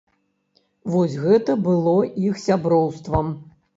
Вось гэта было іх сяброўствам.